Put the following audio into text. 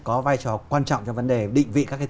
có vai trò quan trọng trong vấn đề định vị các cái